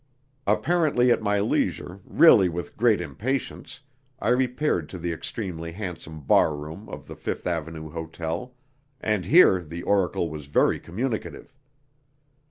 Apparently at my leisure, really with great impatience, I repaired to the extremely handsome "barroom" of the Fifth Avenue Hotel, and here the oracle was very communicative.